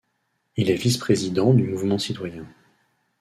Il est vice-président du Mouvement citoyen.